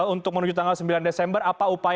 untuk menuju tanggal sembilan desember apa upaya